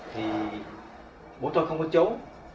thì bố tôi không có chấu